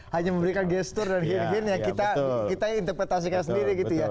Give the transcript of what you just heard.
hanya memberikan gesture dan gini gini ya kita interpretasikan sendiri gitu ya